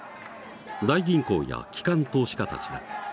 大銀行や機関投資家たちだ。